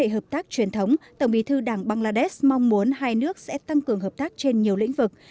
hợp tác truyền thống tổng bí thư đảng bangladesh mong muốn hai nước sẽ tăng cường hợp tác trên nhiều lĩnh vực